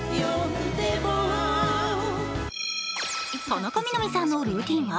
田中みな実さんのルーティーンは？